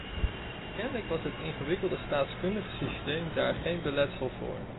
Kennelijk was het ingewikkelde staatkundige systeem daar geen beletsel voor.